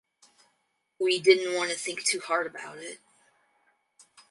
We didn’t want to think too hard about it.